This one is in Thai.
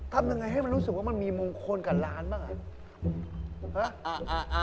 ทำยังไงให้มันรู้สึกว่ามันมีมงคลกับร้านบ้างอ่ะ